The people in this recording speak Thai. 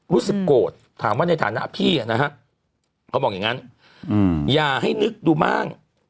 รู้สึกโกรธถามว่าในฐานะพี่นะฮะเขาบอกอย่างนั้นอย่าให้นึกดูมั่ง